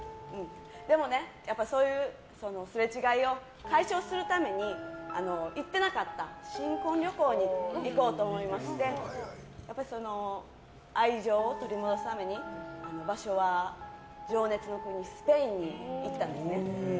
でもね、そういうすれ違いを解消するために行ってなかった新婚旅行に行こうと思いまして愛情を取り戻すために場所は情熱の国スペインに行ったんですね。